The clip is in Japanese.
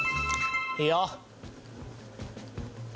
いいよ！